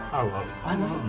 合います？